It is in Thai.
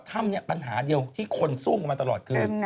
ทำปัญหาเดียวที่คนสู้กับมันตลอดคือ